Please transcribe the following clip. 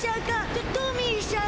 トトミーしゃん？